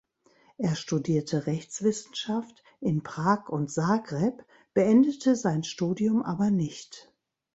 Er studierte Rechtswissenschaft in Prag und Zagreb, beendete sein Studium aber nicht.